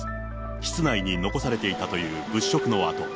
室内に残されていたという物色の跡。